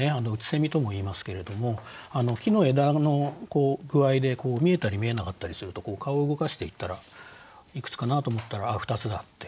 空とも言いますけれども木の枝の具合で見えたり見えなかったりすると顔を動かしていったらいくつかなと思ったらああ２つだって。